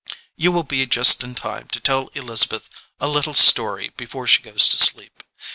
You will be just in time to tell Elizabeth a little story before she goes to sleep.